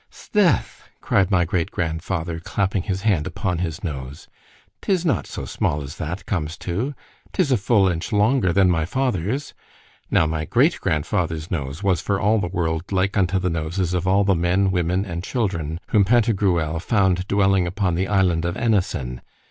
—— S'death! cried my great grandfather, clapping his hand upon his nose,—'tis not so small as that comes to;——'tis a full inch longer than my father's.—Now, my great grandfather's nose was for all the world like unto the noses of all the men, women, and children, whom Pantagruel found dwelling upon the island of ENNASIN.